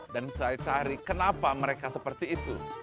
dan saya cari kenapa mereka seperti itu